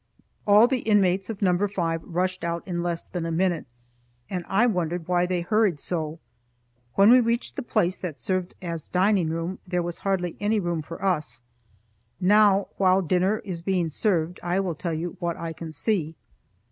All the inmates of Number Five rushed out in less than a minute, and I wondered why they hurried so. When we reached the place that served as dining room, there was hardly any room for us. Now, while the dinner is being served, I will tell you what I can see.